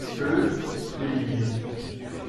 Eux, ils lisent.